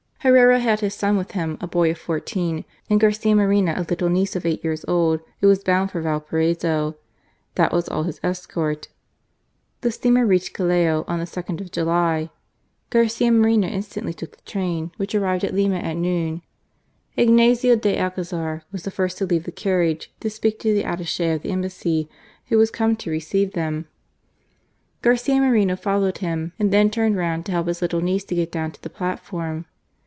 Herrera had his son with him, a b<^ of fourteen, and Garcia Moreno a little niece Of cig^t years old 11^0 was bound for Valparaiso* That was all his escort. The steamer reached Callao on the 2nd of July. Garcia Moreno instantly took the train, which arrived at Lima at noon. Ignazio de Alcazar was the first to leave the carriage to speak to the attache of the Embassy who was come to receive them. Garcia Moreno followed him, and then turned round to help his little niece to get down to the platform.